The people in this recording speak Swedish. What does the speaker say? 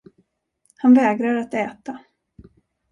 Han vägrar att äta.